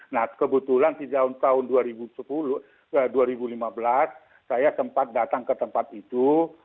nah kebetulan di tahun dua ribu lima belas saya sempat datang ke tempat itu